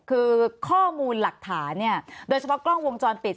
คือข้อมูลหลักฐานเนี่ยโดยเฉพาะกล้องวงจรปิด